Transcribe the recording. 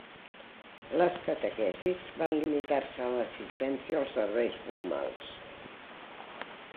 Les catequesis van limitar-se a l'assistència als serveis formals.